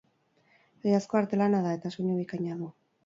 Egiazko artelana da, eta soinu bikaina du.